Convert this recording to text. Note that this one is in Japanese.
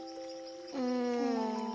うん。